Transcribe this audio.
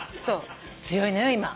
強いのよ今。